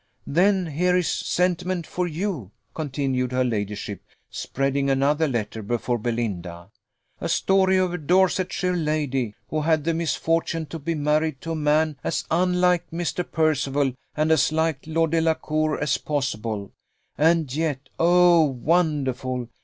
Then here is sentiment for you," continued her ladyship, spreading another letter before Belinda; "a story of a Dorsetshire lady, who had the misfortune to be married to a man as unlike Mr. Percival, and as like Lord Delacour, as possible; and yet, oh, wonderful!